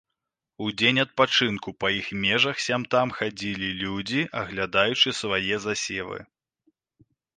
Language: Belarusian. У дзень адпачынку па іх межах сям-там хадзілі людзі, аглядаючы свае засевы.